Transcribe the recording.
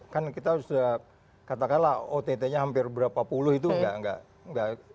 kan kita sudah katakanlah ott nya hampir berapa puluh itu nggak